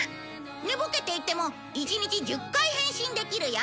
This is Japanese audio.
寝ぼけていても１日１０回変身できるよ